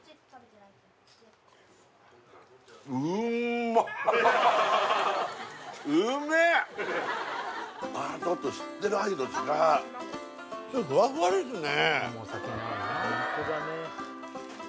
またちょっと知ってる鮎と違うふわふわですね